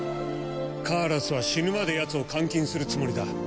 カーラスは死ぬまでやつを監禁するつもりだ。